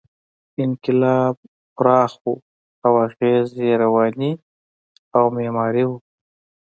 انقلاب پراخ و او اغېز یې رواني او معماري و.